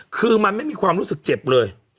คือมันไม่มีความรู้สึกเจ็บเลย